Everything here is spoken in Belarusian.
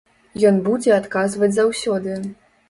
Ён будзе адказваць заўсёды.